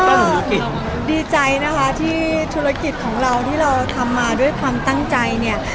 ก็ดีใจนะคะที่ธุรกิจของเราที่เราทำมาด้วยความตั้งใจเนี่ย